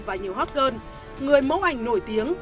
và nhiều hot girl người mẫu ảnh nổi tiếng